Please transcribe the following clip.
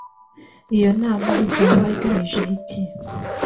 iyo nama izaba igamije iki